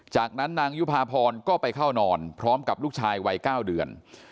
จากนั้นนางยุภาพรก็ไปเข้านอนพร้อมกับลูกชายวัย๙เดือน